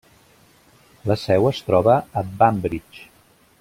La seu es troba a Banbridge.